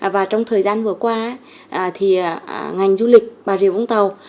và trong thời gian vừa qua thì ngành du lịch bà rịa vũng tàu